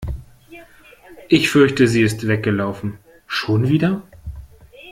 Ich fürchte sie ist weggelaufen. Schon wieder?